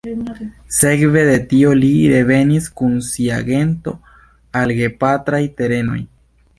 Sekve de tio li revenis kun sia gento al gepatraj terenoj.